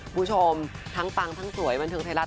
คุณผู้ชมทั้งปังทั้งสวยบันเทิงไทยรัฐ